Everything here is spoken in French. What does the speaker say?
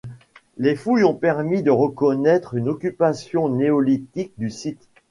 Les fouilles ont permis de reconnaître une occupation néolithique du site.